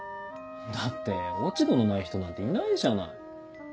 だって落ち度のない人なんていないじゃない。